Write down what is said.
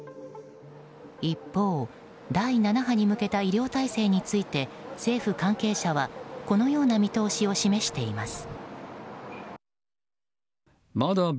一方、第７波に向けた医療体制について政府関係者はこのような見通しを示しています。